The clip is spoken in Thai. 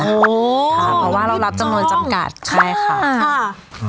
โอ้วววค่ะเพราะว่าเรารับจำนวนจำกัดใช่ค่ะค่ะ